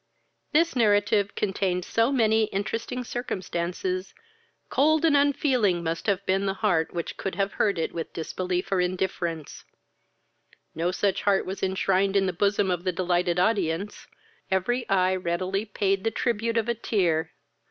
This narrative contained so many interesting circumstances, cold and unfeeling must have been the heart which could have heard it with disbelief or indifference: no such heart was enshrined in the bosom of the delighted audience; every eye readily paid the tribute of a tear.